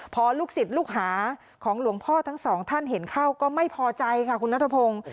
พอลูกศิษย์ลูกหาของหลวงพ่อทั้งสองท่านเห็นเข้าก็ไม่พอใจค่ะคุณนัทพงศ์